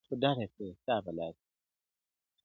o په ځان وهلو باندې خپل غزل ته رنگ ورکوي.